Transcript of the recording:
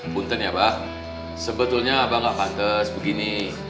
bunten ya abah sebetulnya abah gak pantes begini